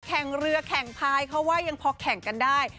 แข่งเรือแข่งพายเขาว่ายังพอแข่งกันได้